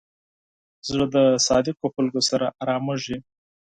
زړه د صادقو خلکو سره آرامېږي.